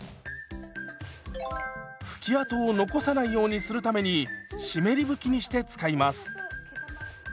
拭き跡を残さないようにするために湿り拭きにして使います。